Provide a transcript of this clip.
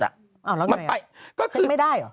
อ้าวแล้วไงมันไป